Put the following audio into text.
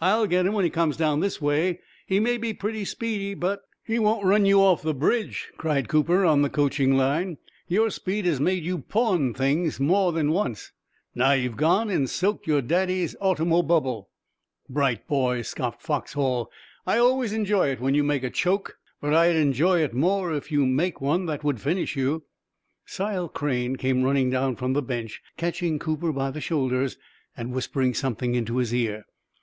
"I'll get him when he comes down this way. He may be pretty speedy, but " "He won't run off the bridge," cried Cooper, on the coaching line. "Your speed has made you pawn things more than once, and now you've gone and soaked your daddy's automobubble." "Bright boy," scoffed Foxhall. "I always enjoy it when you make a choke, but I'd enjoy it more if you'd make one that would finish you." Sile Crane came running down from the bench, catching Cooper by the shoulders and whispering something into his ear.